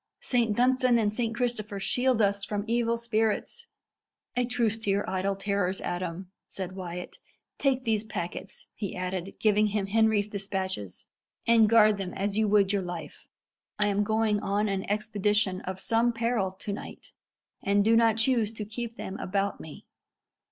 "Saint Dunstan and Saint Christopher shield us from evil spirits!" "A truce to your idle terrors, Adam," said Wyat. "Take these packets," he added, giving him Henry's despatches, "and guard them as you would your life. I am going on an expedition of some peril to night, and do not choose to keep them about me.